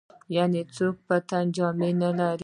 يعنې څوک په تن جامه نه لري.